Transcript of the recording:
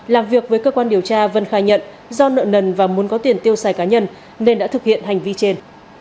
làm việc với cơ quan điều tra vân khai nhận do nợ nần và muốn có tiền tiêu xài cá nhân nên đã thực hiện hành vi trên